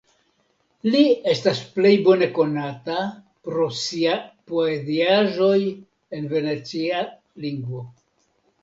Li estas plej bone konata pro sia poeziaĵoj en venecia lingvo.